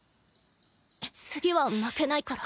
次は負けないから。